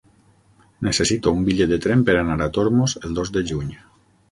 Necessito un bitllet de tren per anar a Tormos el dos de juny.